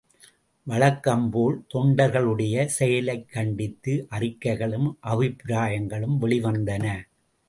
வழக்கம்போல் தொண்டர்களுடைய செயலைக் கண்டித்து அறிக்கைகளும் அபிப்பிராயங்களும் வெளிவந்தன.